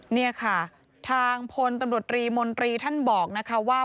นี่ค่ะทางพลตำรวจรีมนตรีท่านบอกนะคะว่า